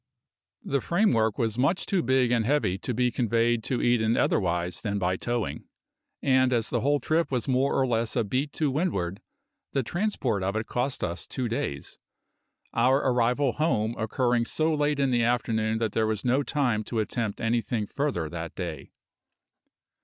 The framework was much too big and heavy to be conveyed to Eden otherwise than by towing; and as the whole trip was more or less a beat to windward, the transport of it cost us two days, our arrival "home" occurring so late in the afternoon that there was no time to attempt anything further that day.